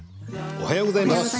おはようございます。